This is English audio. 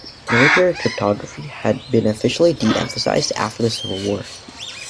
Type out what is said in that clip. Military cryptography had been officially deemphasized after the Civil War.